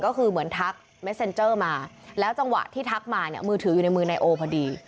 ก็คือเหมือนทักเม็ดเซ็นเจอร์มาแล้วจังหวะที่ทักมาเนี่ยมือถืออยู่ในมือนายโอพอดี